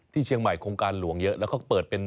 เชียงใหม่โครงการหลวงเยอะแล้วเขาเปิดเป็น